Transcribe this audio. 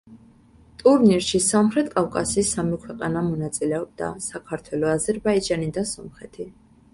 ტურნირში სამხრეთ კავკასიის სამი ქვეყანა მონაწილეობდა: საქართველო, აზერბაიჯანი და სომხეთი.